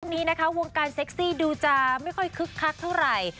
นี้นะคะวงการเซ็กซี่ดูจะไม่ค่อยคึกคักเท่าไหร่